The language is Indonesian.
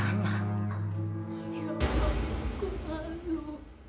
ya allah aku malu